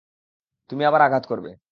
তুমি আবার আঘাত করবে।